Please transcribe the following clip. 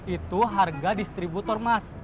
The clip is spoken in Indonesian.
itu harga distributor mas